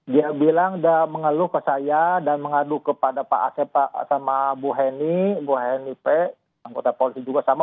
dia bilang dia mengeluh ke saya dan mengadu kepada pak asep sama bu heni bu henipe anggota polisi juga sama